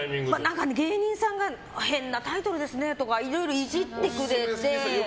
芸人さんが変なタイトルですねとかいろいろイジってくれて。